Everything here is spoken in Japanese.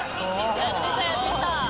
やってたやってた。